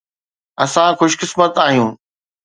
اسان خوش قسمت آهيون.